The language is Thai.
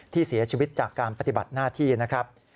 ที่เสียชีวิตจากการปฏิบัติหน้าที่นะครับ